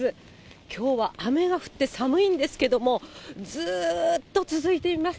きょうは雨が降って寒いんですけども、ずっと続いています。